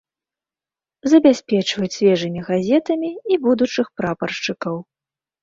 Забяспечваюць свежымі газетамі і будучых прапаршчыкаў.